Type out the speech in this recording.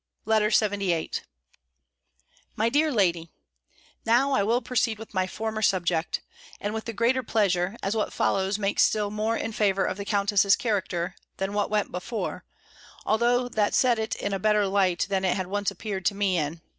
B. LETTER LXXVIII My dear lady, Now I will proceed with my former subject: and with the greater pleasure, as what follows makes still more in favour of the Countess's character, than what went before, although that set it in a better light than it had once appeared to me in.